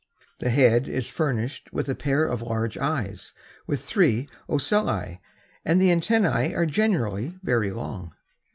The head is furnished with a pair of large eyes, with three ocelli, and the antennae are generally very long.